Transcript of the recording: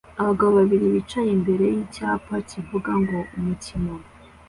Abagabo babiri bicaye imbere yicyapa kivuga ngo umukino